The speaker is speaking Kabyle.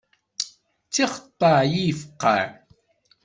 D tixeṭṭay i ifeqqeε.